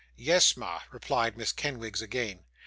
'Yes, ma,' replied Miss Kenwigs again.